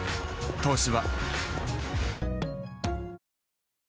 「東芝」